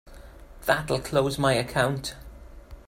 That'll close my account.